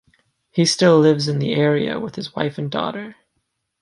He still lives in the area with his wife and daughter.